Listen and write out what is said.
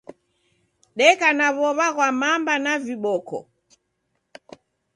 Deka na w'ow'a ghwa mamba na viboko